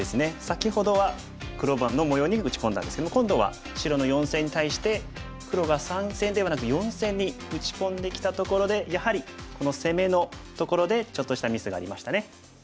先ほどは黒番の模様に打ち込んだんですけども今度は白の４線に対して黒が３線ではなく４線に打ち込んできたところでやはりこの攻めのところでちょっとしたミスがありましたね。